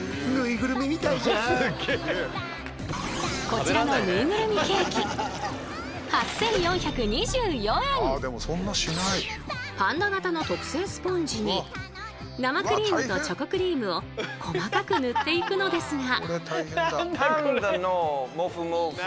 こちらのパンダ型の特製スポンジに生クリームとチョコクリームを細かく塗っていくのですが。